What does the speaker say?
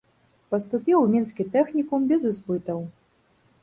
Паступіў у мінскі тэхнікум без іспытаў.